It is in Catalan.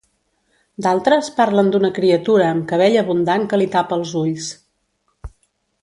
D'altres parlen d'una criatura amb cabell abundant que li tapa els ulls.